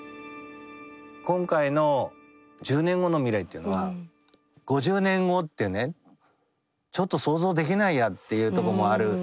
今回の１０年後の未来っていうのは５０年後ってねちょっと想像できないやっていうとこもあるものと違って。